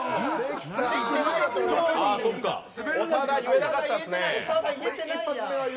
長田、言えなかったですね。